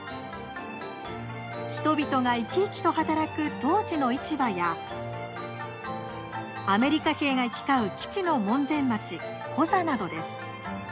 人々が生き生きと働く当時の市場やアメリカ兵が行き交う基地の門前町、コザなどです。